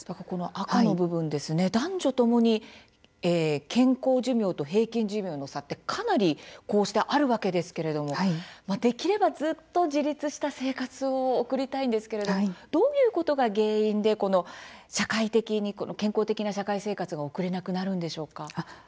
この赤の部分、男女ともに健康寿命と平均寿命の差がかなりこうしてあるわけですけれどもできればずっと自立した生活を送りたいんですけれどもどういうことが原因で健康的な社会生活が送れなくなるんでしょうか。